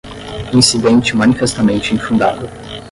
incidente manifestamente infundado